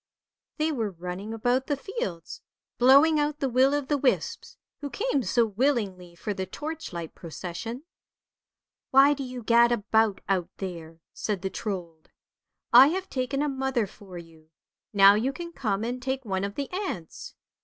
They were running about the fields, blowing out the will o' the wisps, who came so willingly for the torchlight procession. " Why do you gad about out there? " said the Trold. " I have taken a mother for you, now you can come and take one of the aunts."